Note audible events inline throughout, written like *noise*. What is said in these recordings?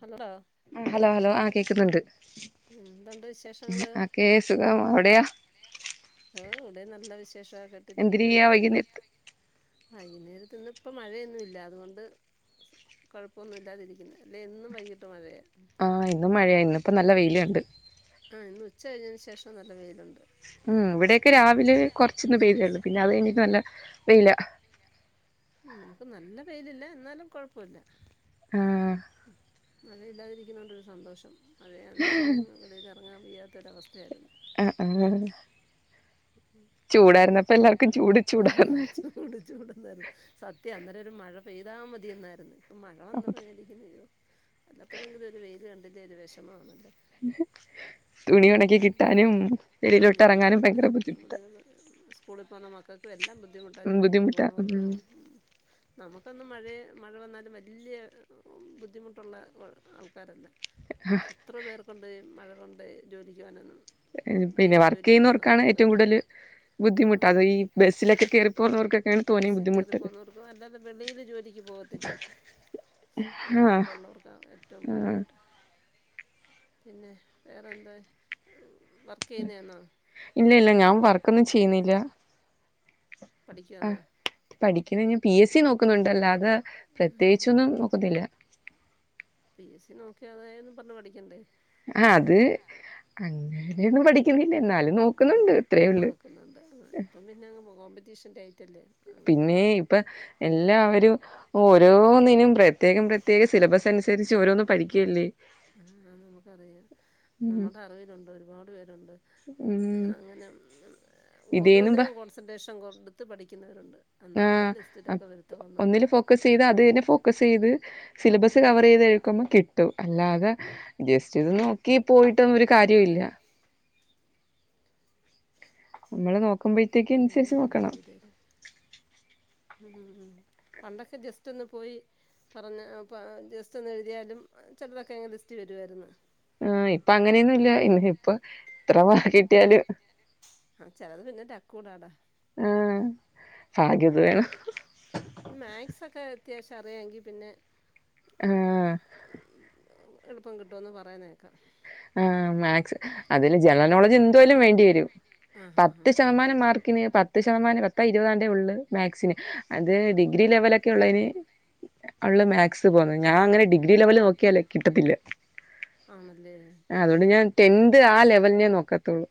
Hello. Hello hello ആഹ് കേക്കുന്നുണ്ട്. ഉം എന്തുണ്ട് വിശേഷങ്ങള്? ഓക്കെ സുഖം അവിടെയാ ആഹ് ഇവ്ടെ നല്ല വിശേഷ *unintelligible* ട്ടിരിക്കുന്നു. എന്തിരിയ്യാ വൈകുന്നേരത്ത് ആഹ് വൈകുന്നേരത്ത് ഇന്ന് ഇപ്പൊ മഴയൊന്നുല്ല അതുകൊണ്ട്. കൊഴപ്പൊന്നു ഇല്ലാതിരിക്കുന്ന് അല്ലെ എന്നും വൈകിട്ട് മഴയ. ആഹ് എന്നും മഴയ ഇന്നിപ്പൊ നല്ല വെയില് കണ്ട്. ഉം ഇന്ന് ഉച്ച കഴിഞ്ഞയിന് ശേഷം നല്ല വെയിലുണ്ട്. ഉം ഇവിടെയൊക്കെ രാവിലെ കൊറ്ച്ചിന്ന് പെയ്തേ ഉള്ളു പിന്നെ അത് കഴിഞ്ഞിട്ട് നല്ല വെയില. ഇന്നില്ല. ഉം നമുക്ക് നല്ല വെയിലില്ല ഇന്നാലും കൊഴപ്പൊല്ല. ആഹ്. മഴയില്ലാതിരിക്കുന്നൊണ്ടൊരു സന്തോഷം മഴയാണേ പിന്നെ. *unintelligible* ഒണങ്ങാൻ വയ്യാത്തൊരവസ്ഥയാര്ന്ന്. ആഹ് ആഹ്. ഉം. ചൂടാര്ന്നപ്പൊ എല്ലാർക്കു ചൂട് ചൂടാർന്ന്. ചൂട് ച്ചൂടെന്നായിരുന്നു സത്യം അന്നേരം ഒരു മഴ പെയ്താ മതിയന്നാര്ന്ന് ഇപ്പൊ മഴ അപ്പൊ വന്നപ്പൊ മേതി. ഇന്ന് വെയ്യോ വല്ലപ്പഴെങ്കിലൊരു വെയില് കണ്ടില്ലേല് ഒര് വെഷമാന്നല്ലെ. ഒണക്കി തുണി കിട്ടാനും ഒണക്കി കിട്ടാനും ഉം വെളിയിലോട്ട് എല്ലാം എറങ്ങാനും ഉണ്ട്. ഭയങ്കര ബുദ്ധിമുട്ടാ *unintelligible* സ്കൂളി പോവുന്ന മക്കൾക്കും എല്ലാം ബുദ്ധിമുട്ട ജോലിക്ക് ബുദ്ധിമുട്ടാ ഉം പോന്നവർക്കും. *inaudible* നമുക്കൊന്നും മഴയ മഴ വന്നാലും വലിയ ബുദ്ധിമുട്ടുള്ള ആൾക്കാരല്ല എത്ര പേർ കൊണ്ട് മഴകൊണ്ട് ജോലിക്കു പൊവാനൊന്നും ഏഹ് പിന്നെ വർക്കിയ്യോന്നോർക്കാണ് ഏറ്റവും കൂടുതല് ബുദ്ധിമുട്ട് ആഹ് അത് ഈ ബസ്സിലൊക്കെ കേറി പോകുന്നവർക്കൊക്കെയാണ് തോനേം ബസി കേറി ബുദ്ധിമുട്ട് പോന്നവർക്കും അല്ലാതെ വെളിയില് ജോലിക്ക് പോവ ത്തിലെ ആ അങ്ങനെയൊക്കെ ഉള്ളവർക്ക ഏറ്റവും ആ ബുദ്ധിമുട്ട് പിന്നെ വേറെന്ത വർക്കിയ്യ്ന്നാന്നൊ ഇല്ല ഇല്ല ഞാൻ വർക്കൊന്നും ചെയ്യുന്നില്ല പഠിക്കാന്നൊ ആഹ് പഠിക്കുന്ന പീ എസ്സി നോക്കുന്നുണ്ട് അല്ലാതെ പ്രത്യേകിച്ചൊന്നും നോക്കുന്നില്ല പീ എസ്സി നോക്കി അതായെന്ന് പറഞ്ഞ് പഠിക്കണ്ടേ ആഹ് അത് അങ്ങനെയൊന്നും പഠിക്കിന്നില്ല എന്നാലും അല്ല നോക്കുന്നുണ്ട് അത്രയേ ഉള്ളൂ നോക്കുന്നുണ്ട് ഇപ്പം പിന്നെ കോമ്പറ്റീഷൻ്റെ ആയിട്ടല്ലെ പിന്നേ ഇപ്പ എല്ലാവരും ഓരോന്നിനും പ്രത്യേകം പ്രത്യേക സിലബസ് അനുസരിച്ച് ഓരോന്ന് പഠിക്കല്ലെ ആഹ് ‌നമുക്കറിയാം ഉം നമ്മടെ അറിവിലുണ്ട് ഒരുപാട് പേരുണ്ട് ഉം അങ്ങനെ ഉം ഇതേന്നും പ ഓരോന്നിനും കോൺസെൻട്രേഷൻ കൊടുത്ത് പഠിക്കുന്നവരുണ്ട് എന്നാലേ ആഹ് അപ ലിസ്റ്റിലൊക്കെ വരുത്തുള്ളെന്ന് ഒന്നില് ഫോക്കസീത അതില് ഫോക്കസീത് സിലബസ് കവറീത് എടുക്കുമ്പൊ കി ട്ടും അല്ലാതെ ജസ്റ്റ് ഇത് നോക്കി പോയിട്ടൊന്നും ഒരു കാര്യവു ഇല്ല നമ്മള് നോക്കുമ്പഴത്തേക്ക് ഇതൊന്ന് അനുസരിച്ച് നോക്കണം ഡിലീറ്റ് ചെയ്തേരെ ഉം ഉം പണ്ടൊക്കെ ജസ്റ്റ് ഒന്ന് പോയി പറഞ്ഞ അപ്പ ജസ്റ്റൊന്ന് എഴുതിയാലും ചെലതൊക്കെ അങ്ങ് ലിസ്റ്റി വരുവായിരുന്നു ആഹാ ഇപ്പ അങ്ങനെയൊന്നുല്ല ഇന്ന് ഇപ്പ ഇത്ര കിട്ടിയാലും ആഹ് ചെലത് പിന്നെ *unintelligible* അക്കൗടാടാ ആഹ് ഭാഗ്യത് വേണം മാത് സക്കെ അത്യാവശ്യം അറിയാങ്കി പിന്നെ. ആഹ് എളുപ്പം കിട്ടുന്ന് പറയണെക്കാം. ആ മാത് സ് അതില് ജനറൽനോളജ് എന്തുവായാലും വേണ്ടി വരും. ആഹ് ആഹ് പത്ത് ആഹ് സത്യം ശതമാനം മാർക്കിന് പത്ത്. പത്ത് ശതമാനം പത്ത ഇരുപതാണ്ടേ ഒള്ള് മാത് സിന് അത് ഡിഗ്രി ആഹ് ലെവല ക്കള്ളെന് ഒള്ള്മാത് സ്പോകുന്ന ഞാൻ അങ്ങനെ ഡിഗ്രി ലെവൽ നോക്കിയാലേ കിട്ടത്തില്ല. ആണല്ലേ. ആ അതോണ്ട് ഞാൻ ടെൻത് ആ ലെവലിനെ നോക്കത്തുള്ളു.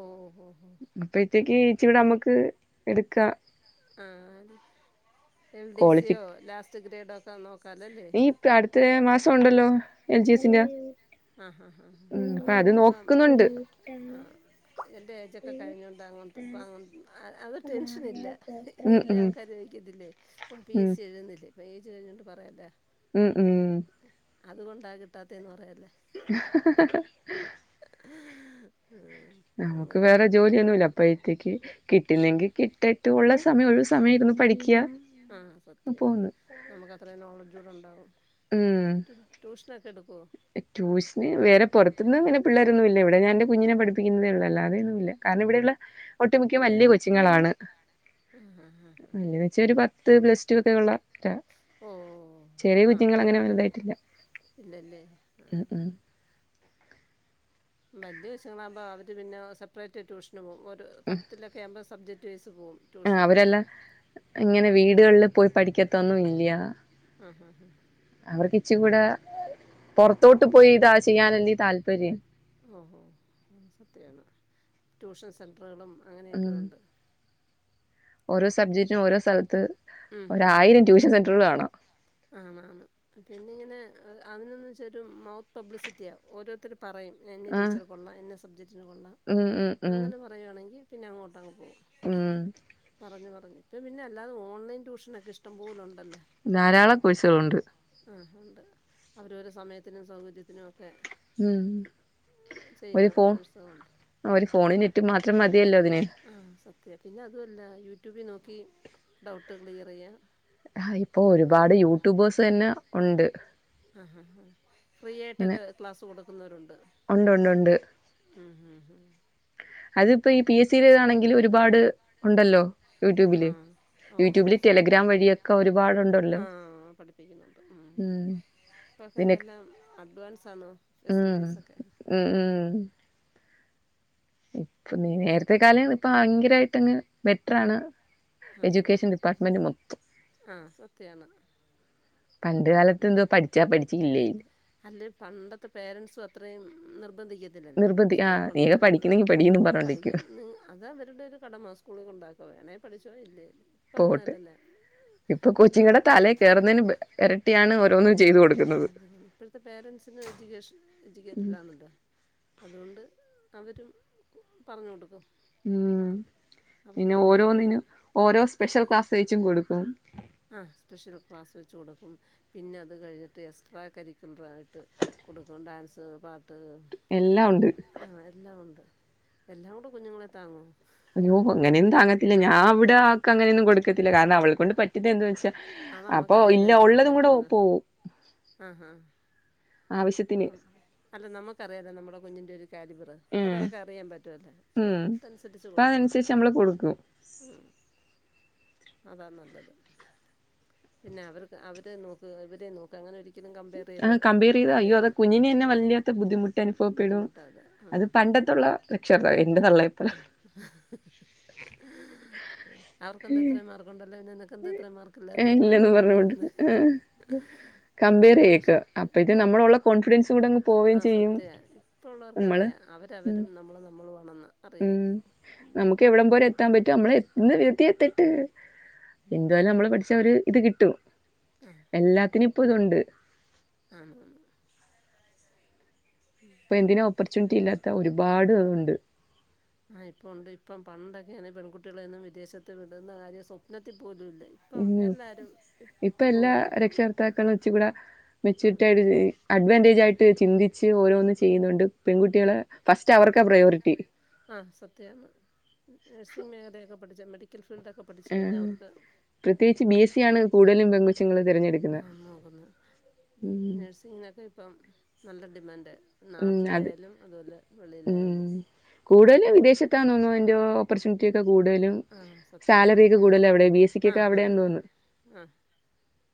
ഓ ഓ ഓ ഓ അപ്പഴ്ത്തെക്ക് ഇച്ചിര്ടെ നമ്മുക്ക് എടുക്കാ. ആഹ്. എൽ ഡി ക്വാളിഫി സിയോ ലാസ്റ്റ് ഗ്രേഡോക്കെ നോ ക്കാലല്ലേ നീ ഇപ്പ അടുത്ത അട്ത്തെ മാസം ഉണ്ടല്ലോ മാസണ്ടല്ലോ എൽ ജി എസിന്റെ സിന്റെ ആഹ് ഹാ ഹ. ഉം അപ്പൊ അത് ഉണ്ടഎനിക്കിപ്പം നോക്കുന്നുണ്ട് ആ എൻ്റെ ഏജൊക്കെ കഴിഞ്ഞൊണ്ട് അങ്ങെട്ട്ഇപ്പം അങ്ങേ. അത് ടെൻഷനില്ല ഉം ഇല്ല ഉം ആൾക്കാര് ചോദിക്കത്തില്ലേ ഇപ്പം പി ഉം എസ് സി. ഴുന്നില്ലേ ഇപ്പ ഏജ് കഴിഞ്ഞോണ്ട് പറയല്ല. ഉം, ഉം. അതുകൊണ്ടാ കിട്ടാത്തെന്ന്പറയാല്ല. *unintelligible* *unintelligible* നമുക്ക് അങ്ങനെയൊക്കെ വേറെ ഉണ്ട് ജോലിയൊന്നുല്ല അപ്പഴത്തേക്ക് കിട്ടുന്നെങ്കി കിട്ടട്ടെ. മറ്റുള്ള സമയം ഒഴിവ്സമയരിന്നു പഠിക്ക ആ ആ സത്യ പോന്നു. നമുക്ക് അത്രയും നോളജൂട ഉണ്ടാവും. ഉം ട്യൂഷനക്കെ എടുക്കുവോ? ട്യൂഷന് വെറെ പുറത്തുന്ന്ങ്ങനെ പിള്ളേരൊന്നും ഇല്ല ഇവിടെ ഞാന്റെ കുഞ്ഞിനെ പഠിപ്പിക്കുന്നതെള്ളൂ അല്ലാതൊന്നുല്ല. കാരണം ഇവിടെയുള്ള ആ ഒട്ടുമിക്ക വലിയ കൊച്ചുങ്ങളാണ് ആ ആ ആ ന്ന് വെച്ച ഒരു പത്ത്. ഇത് പ്ലസ് ടുക്കെ ഒള്ള ഓ ചെറിയ ആ കുഞ്ഞുങ്ങളങ്ങനെ അവരൊക്കെ വലുതായിട്ടില്ല. ഇല്ലല്ലേ. ആ ഉം ഉം. വല്യ കൊച്ചുങ്ങളാവുമ്പോ അവര് പിന്ന സപ്പറേറ്റ് ട്യൂഷന് പോകും ഒരു പത്തില്. ഒക്കെ ആവുമ്പോ സബ്ജക്ട് വൈസ് പോവും. ആഹ് അവരെല്ലാം ഇങ്ങനെ വീടുകളില് പോയി പഠിക്കത്തൊന്നും ഇല്ല്യ. ആഹ് ഹാ ഹാ. അവർക്കിച്ചികൂട പൊറത്തോട്ട് പോയി ഇതാ ചെയ്യാനല്ലേ താല്പര്യം. ഓഹോ അത് സത്യാണ്. ട്യൂഷൻ സെന്റെർകളും ഉം അങ്ങനെയൊക്കെയുണ്ട്. ഓരോ ഓരോ സബ്ജക്റ്റിനും സബ്ജെക്ടിനും സ്ഥലത്ത് ഓരോ സാറ് ങ്ഹും ഹും ഹും ഒരായിരം ട്യൂഷൻ സെന്റർ കാണും. ആ ആന്ന്, ആന്ന് പിന്നിങ്ങനെ അതിനൊന്ന് വെച്ചാരു മൗത്ത് പബ്ലിസിറ്റിയാ ഓരോരുത്തര് പറയും. ഇന്ന ആഹ് ടീച്ചർ കൊള്ളാം ഇന്ന സബ്ജക്റ്റിന് കൊള്ളാം ഉം ഉം ഉം അങ്ങനെ പറയുവാണെങ്കി പിന്നെ അങ്ങോട്ടങ്ങ് പോകും. ഉം. പറഞ്ഞ്, പറഞ്ഞ് ഇപ്പം പിന്നെ അല്ലാതെ ഓൺലൈൻ ട്യൂഷനൊക്കെ ഇഷ്ടം പോലെ ഉണ്ടല്ലേ. ധാരാളം കോഴ്സോളുണ്ട് ആഹ് ഉണ്ട് അവരോര സമയത്തിനും സൗകര്യത്തിനും ഒക്കെ. ഉം ഒരു ചെയ്യുന്ന ഫോൺ കോഴ്സുകളുണ്ട് ഒരു ഫോണും നെറ്റും മാത്രം മതിയല്ലോ അതിന്. ആഹ് സത്യം പിന്നെ അതുല്ല യൂട്യൂബി നോക്കി ഡൗട്ട് ക്ലിയർ ചെയ്യാം. ആഹ് ഇപ്പൊ ഒരുപാട് യൂട്യൂബേഴ്സന്നെ ഉണ്ട്. ആഹാ ഹാ ഹാ ഫ്രീ ആയിട്ടൊക്കെ ക്ലാസ്സ് കൊടുക്കുന്നവരുണ്ട്. ഒണ്ട്ണ്ട് ഉണ്ട്. ഉം ഉം ഉം അതിപ്പോ ഈ പി എസ് സി ടെ ആണെങ്കിലും ഒരുപാട് ഉണ്ടല്ലോ ആ യൂട്യൂബില് യൂട്യൂബില് ഓ സത്യമാണ് ടെലഗ്രാം വഴിയൊക്കെ ഒരുപാടുണ്ടല്ലോ ആ ഉം ഇപ്പൊക്കെ നിനക്ക് എന്തെല്ലാം അഡ്വാൻസാണ് ഉം ഫെസിലിറ്റീസൊക്കെ ഉം ഉം ഇപ്പൊ നേരത്തെ കാലേന്ന് ഇപ്പ ഭയങ്കരമായിട്ടങ്ങ് ബെറ്ററാണ് എജ്യുക്കേഷൻ ഡിപാർട്ട്മെന്റ് മൊത്തം ആഹ് സത്യാണ് പണ്ട് കാല പണ്ട് കാലത്ത് ഒക്കെ പഠിച്ചാ പഠിച്ചു അല്ല പണ്ടത്തെ പേരന്റ്സും അത്രയും നിർബന്ധിക്ക ത്തില്ലല്ലോ നിർബന്ധി ആ സ്കൂളിൽ നീയൊക്കെ കൊണ്ടോയി പഠിക്കുന്നെങ്കി പഠീന്നും പറഞ്ഞോണ്ടിരിക്കും പഠിക്കന്ന് അതവരുടെ ഒരു കടമ സ്കൂളിൽ കൊണ്ടാക്കാ വേണേ പഠിച്ചോ ഇല്ലേ ഇല്ല ഇപ്പം പോട്ട് അങ്ങനെല്ലല്ലോ ഇപ്പം *unintelligible* ഇരട്ടിയ ഇരട്ടിയാണ് ഓരോന്നും ചെയ്ത് കൊടുക്കണം ഇപ്പഴത്തെ പേന്റ്സിന് എഡ്യൂക്കേഷന് എഡ്യൂക്കേറ്റഡ് ആണല്ലോ അതുകൊണ്ട് അവരും പറഞ്ഞു കൊടുക്കും ഉം അവർക്കും പിന്നെ അറിയാമല്ലോ ഓരോന്നിനും ഓരോ സ്പെഷ്യൽ ക്ലാസ് വെച്ചും കൊടുക്കും ആഹ് സ്പെഷ്യൽ ക്ലാസ്സ് വെച്ച് കൊടുക്കും പിന്നെ അത് കഴിഞ്ഞിട്ട് എക്സ്ട്രാ കരിക്കൻഡ്രായിട്ട് കൊടുക്കും ഡാൻസ് പാട്ട് എല്ലാം ഉണ്ട് ആഹ് എല്ലാം ഉണ്ട് എല്ലാം കൂടെ കുഞ്ഞുങ്ങളെ താങ്ങോ അയ്യോ അങ്ങനെയൊന്നും താങ്ങത്തില്ല ഞാൻവടെ ആക്ക് അങ്ങനൊന്നും കൊടുക്കത്തില്ല കാരണം അവൾ കൊണ്ട് പറ്റ എന്ത വെച്ചാ അത് അവള് അപ്പൊ ഇല്ല ഉള്ളതും കൂടെ പോവും ആഹാ ആവശ്യത്തിന് അല്ല നമുക്കറിയാലോ നമ്മുടെ കുഞ്ഞിന്റെ ഒരു കാലിബറ് ഉം കൊറെയൊക്കെ അറിയാൻ പറ്റുവല്ലേ ഉം ആഹ് അതനുസരിച്ച് അപ്പൊ കൊടുക്കണം അതനുസരിച്ച് നമ്മള് കൊടുക്കും ഉം അതാ നല്ലത് പിന്നെ അവർക്ക് അവരെ നോക്ക് ഇവരെ നോക്ക് അങ്ങനൊരി ക്കലും കമ്പയർ ആ ചെയ്ത് കമ്പയർ ചെയ്ത അയ്യോ അത് കുഞ്ഞിന് തന്നെ ആഹ് വല്ലാത്ത ബുദ്ധിമുട്ട് അനുഭവപ്പെടും ബുദ്ധിമുട്ടാ അത് ആഹ് പണ്ടത്തുള്ള രക്ഷകർത്താവ് എന്റെ തള്ളയെപ്പോലെ ആഹ് അവർക്കെന്താ ഇത്രയും മാർക്കുണ്ടല്ലോ പിന്നെ നിനക്കെന്താ ഇത്രേം മാർക്ക് അതെ ഏഹ് എന്നും ഇല്ലെന്ന് *unintelligible* പറഞ്ഞോണ്ട് വായിരുന്ന് കമ്പയർ ഇപ്പ ചെയ്യക്ക പക്ഷെ അപ്പൊ ഇത് ആഹ് നമ്മളുള്ള കോൺഫിഡൻസ് കൂടെ അങ്ങ് പോവുകയും ആഹ് ചെയ്യും സത്യാ ഇപ്പ നമ്മള് ഉള്ളവർക്കറിയാ ഉം അവരവരും നമ്മള് നമ്മളുവാണെന്ന് അറിയാ നമുക്കെവിടം പോലെ എത്താൻ പറ്റോ നമ്മള് *unintelligible* എത്തട്ട് ഉം എന്തായാലും നമ്മള് പഠിച്ച അവര് ഇത് കിട്ടും ആഹ് എല്ലാത്തിനും ഇപ്പതുണ്ട് ആന്നു ആന്നു പ്പൊ എന്തിനാ ഓപ്പർച്യൂണിറ്റില്ലാത്തെ ഒരുപാട്ണ്ട് ആഹ് ഇപ്പൊ ഒണ്ട് ഇപ്പം പണ്ടൊക്കെയാണെ പെൺകുട്ടിയാളെന്നും വിദേശത്ത് വിടുന്ന കാര്യം സ്വപ്നത്തി പോലുംല്ല ഉം ഇപ്പൊ എല്ലാ പോകുന്നില്ലേ രക്ഷകർത്താക്കളും ച്ചി കൂട ആ മെച്ചൂരിറ്റായിട്ട് അഡ്വാന്റെജായിട്ട് ചിന്തിച്ച് ഓരോന്ന് ചെയ്യുന്നോണ്ട് പെൺകുട്ടിയാളെ ഫസ്റ്റ് അവർക്കാ പ്രയോരിറ്റി ആഹ് സത്യാണ് നഴ്സിഗ് മേഖലയൊക്കെ പഠിച്ച മെഡിക്കൽ ഫീൽഡൊക്കെ പഠിച്ച് കഴിഞ്ഞാ ആഹ് അവർക്ക് പ്രത്യേകിച്ച് ബി എസ് സി ആണ് കൂടുതലും പെങ്കൊച്ചുങ്ങള് തെരഞ്ഞെടുക്കുന്നത് ആഹ് നോക്കുന്നത് നഴ്സിങ്ങിനൊക്കെ ഇപ്പം നല്ല ഡിമാൻഡ ഉം അത് നാട്ടിലായാലും അതുപോലെ ഉം വെളിയിലായാലും കൂടുതലും വിദേശത്താന്ന് തോന്നുന്നു അതിന്റെ ഓപ്പർച്യൂണിറ്റി ഒക്കെ കൂടുതലും ആഹ് സത്യ സാലറി ഒക്കെ കൂടുതൽ അവിടെ ബി എസ് സിക്കൊക്കെ ആഹ് അവിടെയാന്ന് അതന്നെ തോന്നുന്നു ആഹ്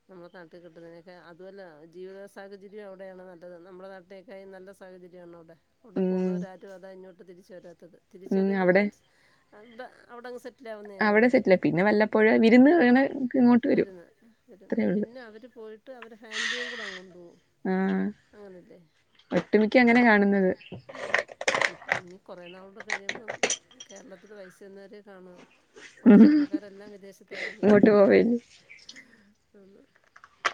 നമ്മളെ നാട്ടി കിട്ടുന്നതിനൊക്കെ അതുഅല്ല ജീവിത സാഹചര്യം അവിടെയാണ് നല്ലത് നമ്മളെ നാട്ടിനെകാളും നല്ല- സാഹചര്യാണവിടെ അവിടെ ഉം പോകുന്നോരാരും അതാ ഇഞ്ഞോട്ട് തിരിച്ച് വരാത്തത് തിരിച്ച് ഉം വരുന്ന അവിടെ മീൻസ് അവിട അവിടങ്ങ് സെ അവിടെ റ്റിലാവുന്നയല്ലേ സെറ്റില പിന്നെ വല്ലപ്പോഴ് വിരുന്ന് അങ്ങനെ ഇങ്ങോട്ട് വരും വരുന്ന വരു അത്രേ ഉള്ളു പിന്നെ അവര് പോയി ട്ട് അവരെ ഫാമിലിയേയും കൂടങ്ങൊണ്ടോവും അങ്ങനല്ലേ ഒട്ടുമിക്കങ്ങനേ കാണുന്നത് ഇപ്പനി കൊറേ നാളൂടെ കഴിയുമ്പം കേരളത്തില് വയസ്സെന്നവരേ കാണൂ ഉള്ള ചെറുപ്പക്കാരെല്ലാം വിദേശത്താരിക്കും ഇങ്ങോട്ട് പോവേല്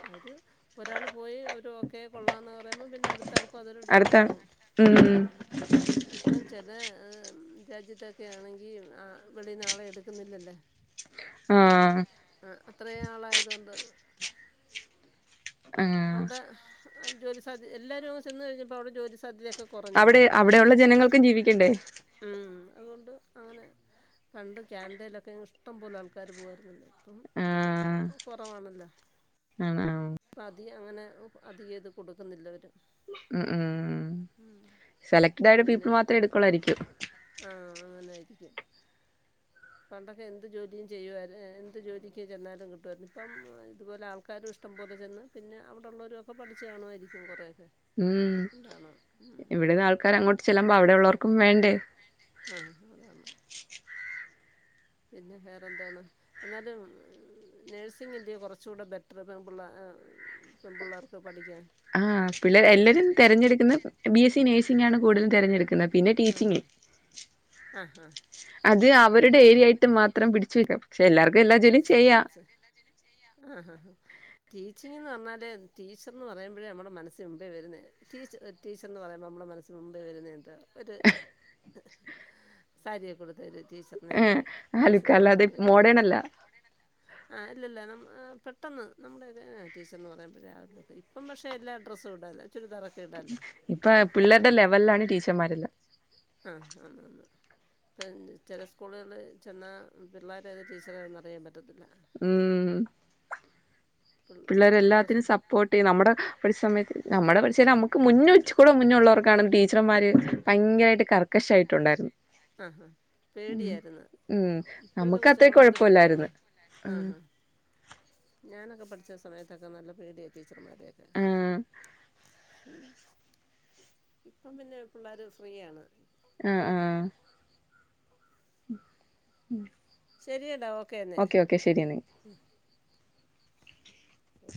അവര് ഒരാള് പോയി അവര് ഓക്കെ കൊള്ളാന്ന് പറയുമ്പൊ പിന്നെ അടു- ത്താൾക്കും അതൊരു അടുത്ത ട്രെൻഡാവും ഉം ആഹ് ഇപ്പം ചെലെ രാജ്യത്തൊക്കെയാണെങ്കി ആഹ് - വെളിന്നാളെ എടുക്കുന്നില്ലല്ല ആഹ് ആഹ് അത്രേ ആളായതോണ്ട് ആഹ് അവ്ടെ ജോലി സാധ്യ എല്ലാരും അങ്ങ് ചെന്ന് കഴിഞ്ഞപ്പൊ അവ്ടെ ജോലി സാധ്യതയൊക്കെ- കൊറഞ്ഞില്ലേ അവിടെ അവിടെയൊള്ള ജനങ്ങൾക്കും ജീവിക്കണ്ടേ ഉം അതോണ്ട് അങ്ങന പണ്ട് ക്യാനഡയിലൊക്കെങ്ങ് ഇഷ്ടം പോലെ ആൾക്കാര് പോകാര്ന്നെ ന്നേ ഇപ്പം കൊറവാണല്ല ആഹ് തി അങ്ങനെ അതികയിത് കൊടുക്കുന്നില്ലവര് ഉം ഉം സെലക്റ്റ്ഡായൊര് പിന്നെ പീപ്പിള് മാത്രേ എടുക്കോളാരിക്കും ആഹ് അങ്ങനാരിക്കും പണ്ടൊക്കെന്ത് ജോലിയും ചെയ്യുവായിര് എന്ത് ജോലിക്ക് ചെന്നാലും കിട്ടുവായിര്ന്ന് ഇപ്പം ഇതുപോലെ ആൾക്കാരു ഇഷ് ടം പോലെ ചെന്ന് പിന്നെ അവ്ടെള്ളോരൊക്കെ പഠിച്ച് കാണുവായിരിക്കും കൊറേക്കെ ഉം ഇവിടെന്ന് ആൾക്കാരങ്ങോട്ട് ചെല്ലുമ്പൊ അവിടെയുള്ളോർക്കും വേണ്ടേ ആഹ് അതാണ് പിന്നെ വേറെന്താണ് എന്നാലും നേഴ്സിങ്ങല്ലേ കൊറച്ചൂ ടെ ബെറ്ററ് പെമ്പുള്ളേ പെമ്പുള്ളാർക്ക് പഠിക്കാൻ ആഹ് പിള്ളേ നല്ലത് എല്ലരും തെരഞ്ഞടുക്കുന്ന ബി എസ് സി നേഴ്സിംഗാണ് കൂടുതലും തെരഞ്ഞെടുക്കുന്ന- പിന്നെ ടീച്ചിങ്ങ് എല്ലാരും തെരഞ്ഞെടുക്കുന്നത് ബി എസ് സി നേഴ്സിംഗാണ് കൂടുതൽ ആഹ് ആഹ് ആഹ് അത് അവരുടേരിയായിട്ട് മാത്രം പിടിച്ചു വെക്കാം പക്ഷെ എല്ലാർ- ആഹ് ആഹ് ആഹ് ടീച്ചിങ്ങ് എന്ന് പറഞ്ഞാല് ടീച്ചർന്ന് പറയുമ്പഴേ നമ്മളെ മനസ്സില് മുമ്പേ വരുന്നെയാ ടീച്ച- ടീച്ചർന്ന് പറയുമ്പോൾ നമ്മളെ മനസ്സില് മുമ്പേ വരുന്ന എന്താ ഒര് - സാരിയൊക്കെ ഉടുത്ത ഒരു ടീച്ചറിനെ ഏഹ് അല്ല്യോ അലുക്ക മനസ്സിൽ അല്ലാതെ പെട്ടെന്ന് വരുന്നെ മോഡേൺ അല്ല - ആഹ് ഇല്ലല്ല പെട്ടെന്ന് നമ്മുടെ ടീച്ചർന്ന് പറയുമ്പഴേ രാവിലൊക്കെ ഇപ്പം പക്ഷെ എല്ലാ ഡ്രസ്സും ഇടാല്ല ചുരിദാ ഇപ്പ പിള്ളേരുടെ ലെവലിലാണ് ടീച്ചർമാരെല്ലാം ആഹ് ആന്ന് ആന്ന് ഇപ്പം ചെല സ്കൂളുകളി ചെന്ന പിള്ളേരേത് ടീച്ച റേത് എന്നറിയാൻ പറ്റത്തില്ല ഉം പിള്ളേര് പിള്ളേരെ പ്ലസ് എല്ലാത്തിനും ടു സപ്പോർട്ട് ചെയ്യും നമ്മടെ ഒരു സമയത്തി നമ്മുടെ പഠക്ഷേ നമുക്ക് മുന്ന ഉച്ച കൂടെ മുന്നേ ഉള്ളവർക്കാണ് ടീച്ചർന്മാര് ഭയങ്കരമായിട്ട് ക ആഹ ഹ ഉം പേടിയായിരുന്നു ഉം ഇപ്പോഴത്തെ നമുക്ക് കൊച്ചങ്ങൾ അത്രക്ക് എന്ത് ഫ്രീ ആാണ് കുഴപ്പമില്ലായിരുന്നു ആഹാ ആഹ് ഹാ ഞാനൊക്കെ പഠിച്ച സമയത്തൊക്കെ നല്ല പേടിയ ടീച്ചർമാരൊക്കെ ആഹ് ഉ ഇപ്പം പിന്നെ പിള്ളേർ ഫ്രീയാണ് ആഹ ആഹ ശരിയടാ ഓക്കേന്നെ ഓക്ക ശരിയാണ് ആഹ